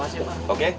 terima kasih pak